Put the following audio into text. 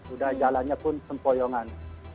udah jalannya pun sempoyongan